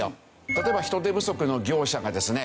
例えば人手不足の業者がですね